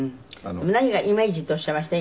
何がイメージっておっしゃいました？